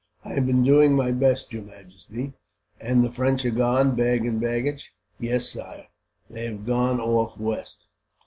"I have been doing my best, your majesty." "And the French are gone, bag and baggage?" "Yes, sire, they have gone off west."